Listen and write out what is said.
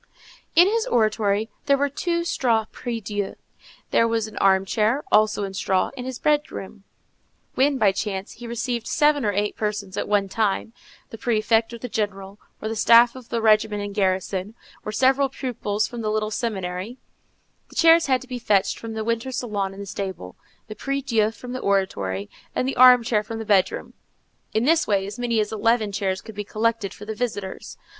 In his oratory there were two straw prie Dieu, and there was an armchair, also in straw, in his bedroom. When, by chance, he received seven or eight persons at one time, the prefect, or the general, or the staff of the regiment in garrison, or several pupils from the little seminary, the chairs had to be fetched from the winter salon in the stable, the prie Dieu from the oratory, and the armchair from the bedroom: in this way as many as eleven chairs could be collected for the visitors.